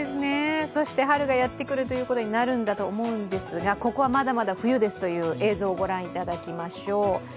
そして春がやってくるということになるんだと思うんですが、ここはまだまだ冬ですという映像をご覧いただきましょう。